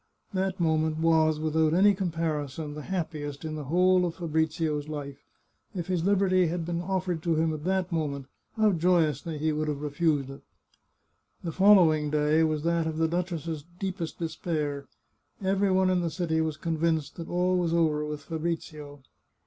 That moment was, without any comparison, the happiest in the whole of Fabrizio's life. If his liberty had been offered to him at that moment, how joyously would he have refused it! The following day was that of the duchess's deepest de spair. Every one in the city was convinced that all was over with Fabrizio.